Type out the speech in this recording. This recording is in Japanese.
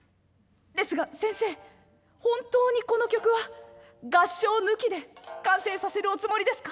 本当にこの曲は合唱抜きで完成させるおつもりですか？」。